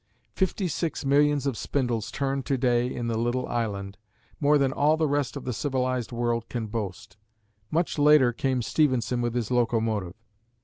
Fifty six millions of spindles turn to day in the little island more than all the rest of the civilised world can boast. Much later came Stephenson with his locomotive.